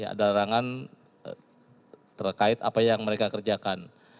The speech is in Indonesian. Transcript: ada larangan terkait apa yang mereka kerjakan